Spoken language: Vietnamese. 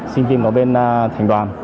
sinh viên của bên thành đoàn